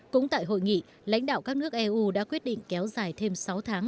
cũng tại hội nghị lãnh đạo các nước eu đã quyết định kéo dài thêm sáu tháng